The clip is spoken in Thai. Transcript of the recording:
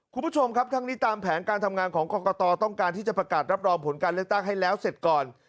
คุณผู้ชมครับทั้งนี้ตามแผนการทำงานของกรกตต้องการที่จะประกาศรับรองผลการเลือกตั้งให้แล้วเสร็จก่อน